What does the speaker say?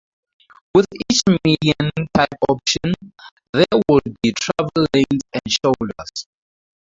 With each median type option, there would be travel lanes and shoulders.